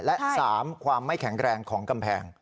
และ๓ความไม่แข็งแรงของกำแพง